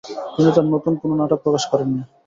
তিনি তার নতুন কোন নাটক প্রকাশ করেননি।